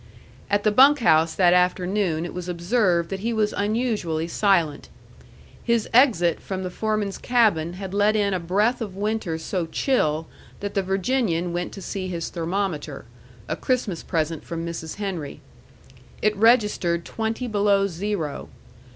At the bunk house that afternoon it was observed that he was unusually silent. His exit from the foreman's cabin had let in a breath of winter so chill that the Virginian went to see his thermometer, a Christmas present from Mrs. Henry. It registered twenty below zero.